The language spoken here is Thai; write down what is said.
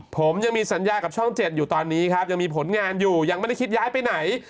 ผมยังมีสัญญากับช่อง๗อยู่ตอนนี้ครับยังมีผลงานอยู่ยังไม่ได้คิดย้ายไปไหน